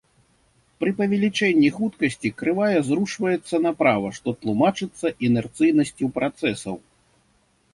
Пры павелічэнні хуткасці крывая зрушваецца направа, што тлумачыцца інерцыйнасцю працэсаў.